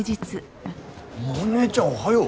モネちゃんおはよう。